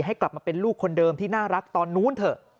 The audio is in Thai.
ให้กลับมาเป็นลูกคนเดิมที่น่ารักตอนนู้นเถอะ